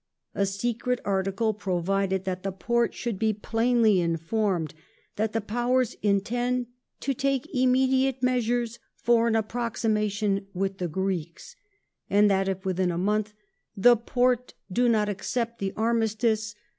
A secret article provided that the Porte should be plainly informed that the Powers intend to take " immediate measures for an approximation with the Greeks ";; and that if within one month " the Porte do not accept the armistice •